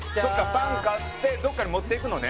パン買ってどっかに持っていくのね。